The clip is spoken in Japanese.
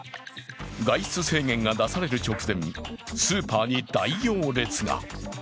外出制限が出される直前、スーパーに大行列が。